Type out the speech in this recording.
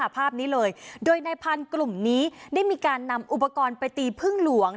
ภาพนี้เลยโดยนายพันธุ์กลุ่มนี้ได้มีการนำอุปกรณ์ไปตีพึ่งหลวง